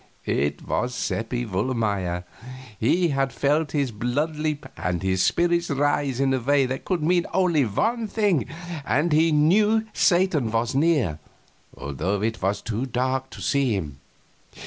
It was Seppi Wohlmeyer. He had felt his blood leap and his spirits rise in a way that could mean only one thing, and he knew Satan was near, although it was too dark to see him.